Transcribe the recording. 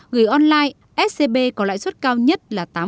gửi online scb có lãi suất cao nhất tám hai mươi một